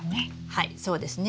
はいそうですね。